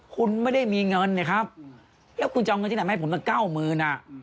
คุณไม่ได้มีเงินนะครับแล้วคุณจะเอาเงินที่ไหนมาให้ผมตั้งเก้าหมื่นอ่ะ